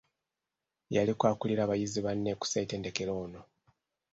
Yaliko akkulira bayizi banne ku ssettendekero ono.